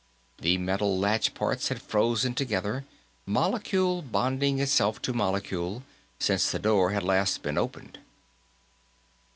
The metal latch parts had frozen together, molecule bonding itself to molecule, since the door had last been closed.